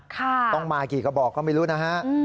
ต้องมากี่กระบอกก็ไม่รู้นะฮะ